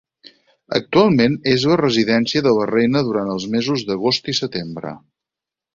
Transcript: Actualment és la residència de la reina durant els mesos d'agost i setembre.